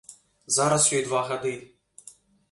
Зараз ёй два гады.